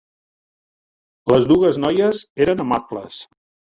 Les dues noies eren amables.